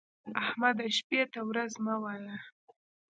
احمده! شپې ته ورځ مه وايه.